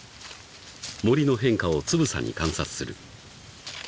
［森の変化をつぶさに観察する］